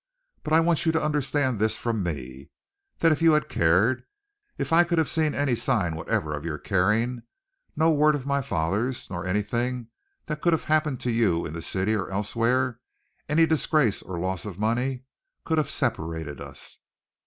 But I want you to understand this from me, that if you had cared, if I could have seen any signs whatever of your caring, no word of my father's, nor anything that could have happened to you in the city or elsewhere, any disgrace or any loss of money, could have separated us."